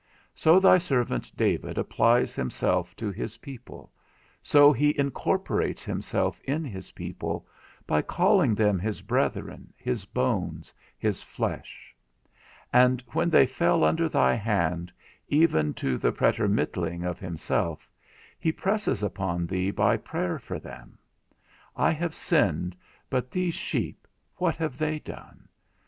So thy servant David applies himself to his people, so he incorporates himself in his people, by calling them his brethren, his bones, his flesh; and when they fell under thy hand, even to the pretermitting of himself, he presses upon thee by prayer for them; _I have sinned, but these sheep, what have they done?